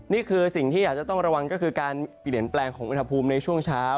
นี่คือสิ่งที่อยากจะต้องระวังก็คือการเปลี่ยนแปลงของอุณหภูมิในช่วงเช้า